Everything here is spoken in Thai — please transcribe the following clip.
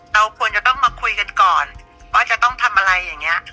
เราควรจะต้องมาคุยกันก่อนว่าจะต้องทำอะไรอย่างนี้